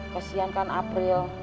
kasian kan april